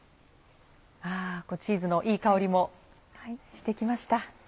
あぁチーズのいい香りもして来ました。